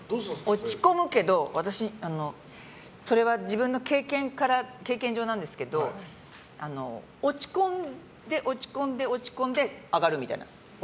落ち込むけど、私、それは自分の経験上なんですけど落ち込んで、落ち込んで上がるみたいな。